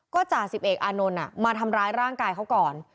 จ่าสิบเอกอานนท์มาทำร้ายร่างกายเขาก่อน